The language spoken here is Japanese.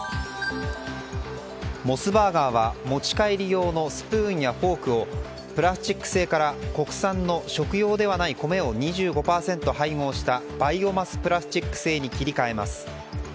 モスバーガーは持ち帰り用のスプーンやフォークをプラスチック製から国産の食用ではないコメを２５％配合したバイオマスプラスチック製に切り替えます。